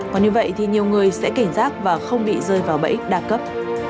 còn như vậy thì nhiều người sẽ cảnh giác và không bị rơi vào bẫy đa cấp